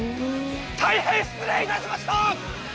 大変失礼いたしました！